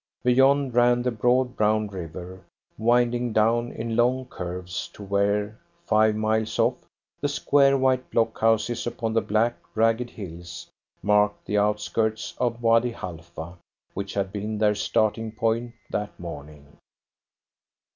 Beyond ran the broad, brown river, winding down in long curves to where, five miles off, the square, white block houses upon the black, ragged hills marked the outskirts of Wady Halfa, which had been their starting point that morning.